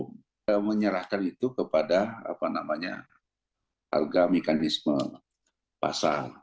kita menyerahkan itu kepada harga mekanisme pasar